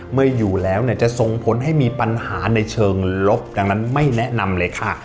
เมื่ออยู่แล้วเนี่ยจะส่งผลให้มีปัญหาในเชิงลบดังนั้นไม่แนะนำเลยค่ะ